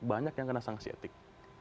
banyak yang kena sanksi etik